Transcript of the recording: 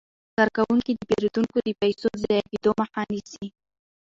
کارکوونکي د پیرودونکو د پيسو د ضایع کیدو مخه نیسي.